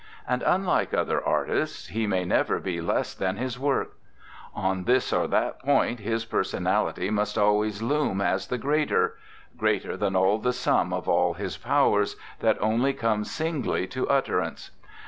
And, unlike other artists, he may never be less than his work; on this or that point his personality must always loom as the greater greater than all the sum of all his powers that only come singly to utterance.